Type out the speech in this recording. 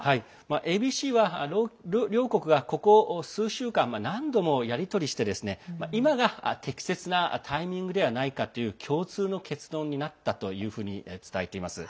ＡＢＣは、両国がここ数週間、何度もやり取りして今が適切なタイミングではないかという共通の結論になったというふうに伝えています。